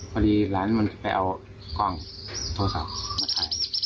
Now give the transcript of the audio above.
พอดีร้านมันไปเอากล้องโทรศัพท์มาถ่าย